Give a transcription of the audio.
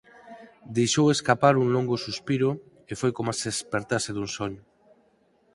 Deixou escapar un longo suspiro e foi coma se espertase dun soño.